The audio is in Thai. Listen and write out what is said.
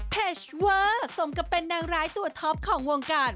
ชเวอร์สมกับเป็นนางร้ายตัวท็อปของวงการ